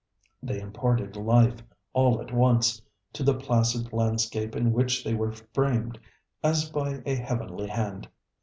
They imparted life, all at once, to the placid landscape in which they were framed as by a heavenly hand.